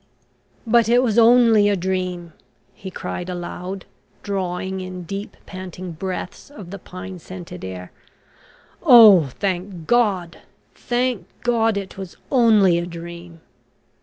"But it was only a dream," he cried aloud, drawing in deep panting breaths of the pine scented air. "Oh! thank God. Thank God, it was only a dream!"